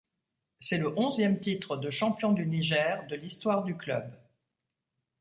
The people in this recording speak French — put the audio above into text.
C'est le onzième titre de champion du Niger de l'histoire du club.